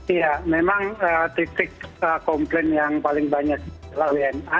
iya memang titik komplain yang paling banyak wna